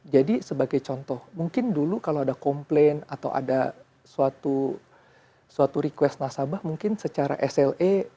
jadi sebagai contoh mungkin dulu kalau ada komplain atau ada suatu suatu request nasabah mungkin secara sle